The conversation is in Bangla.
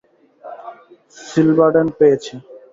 সিলভাডেন, পেয়েছি!